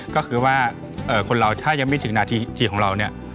ก็คือว่าคนเราถ้ายังไม่ถึงนาทีทีของเราเนี่ย